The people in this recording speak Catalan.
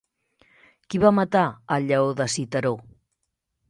Qui va matar el lleó de Citeró?